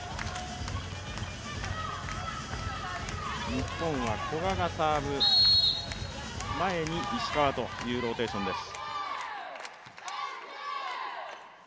日本は古賀がサーブ、前に石川というローテーションです。